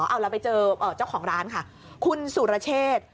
เอาเราไปเจอเจ้าของร้านค่ะคุณสุรเชษ